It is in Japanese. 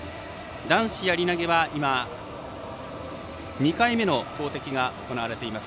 男子やり投げは今２回目の投てきが行われています。